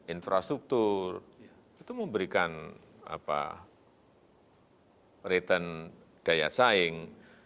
infrastruktur itu memberikan return daya saing